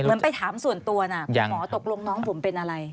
ไปถามส่วนตัวนะคุณหมอตกลงน้องผมเป็นอะไร